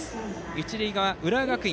一塁側、浦和学院